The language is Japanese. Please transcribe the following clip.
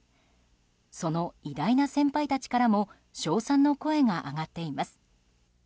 その偉大な先輩たちからも称賛の声が上がっています。